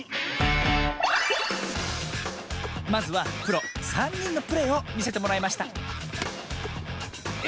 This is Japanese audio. まずはプロさんにんのプレーをみせてもらいましたえ